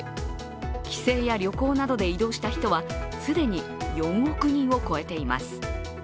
帰省や旅行などで移動した人は既に４億人を超えています。